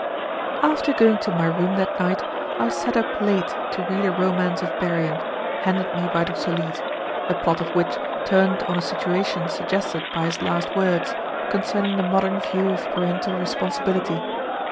After going to my room that night, I sat up late to read a romance of Berrian, handed me by Dr. Leete, the plot of which turned on a situation suggested by his last words, concerning the modern view of parental responsibility.